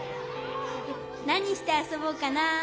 なにしてあそぼうかな。